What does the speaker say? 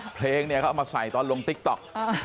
เพลงเนี่ยเขาเอามาใส่ตอนลงติ๊กต๊อก